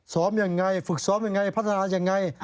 สอบยังไงฝึกสอบยังไงพัฒนาอย่างไร